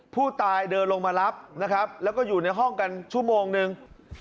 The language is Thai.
ผู้ตายเดินลงมารับนะครับแล้วก็อยู่ในห้องกันชั่วโมงนึง